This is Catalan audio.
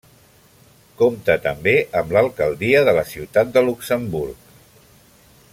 Compta també amb l'alcaldia de la Ciutat de Luxemburg.